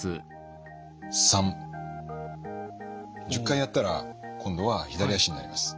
１０回やったら今度は左脚になります。